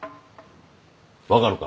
わかるか？